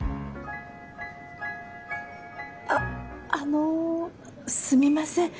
あっあのすみません。